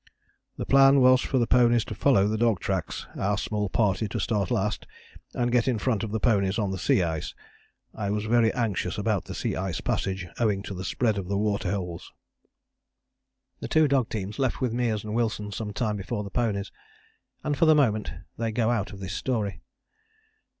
"The plan was for the ponies to follow the dog tracks, our small party to start last and get in front of the ponies on the sea ice. I was very anxious about the sea ice passage owing to the spread of the water holes." The two dog teams left with Meares and Wilson some time before the ponies, and for the moment they go out of this story.